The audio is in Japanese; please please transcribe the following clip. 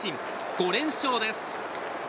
５連勝です。